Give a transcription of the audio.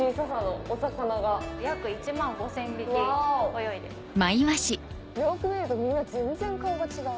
よく見るとみんな全然顔が違う。